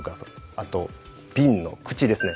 あと瓶の口ですね。